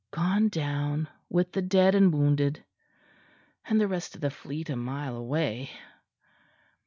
"Gone down with the dead and wounded; and the rest of the fleet a mile away."